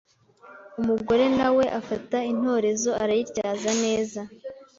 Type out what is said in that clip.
umugore nawe afata intorezo arayityaza neza